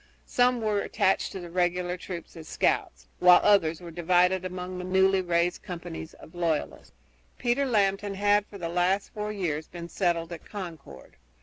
Some were attached to the regular troops as scouts, while others were divided among the newly raised companies of loyalists. Peter Lambton had for the last four years been settled at Concord.